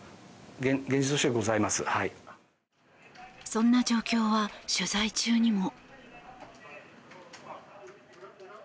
そんな状況は取材中にも。